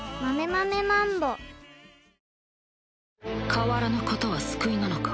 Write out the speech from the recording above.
変わらぬことは救いなのか。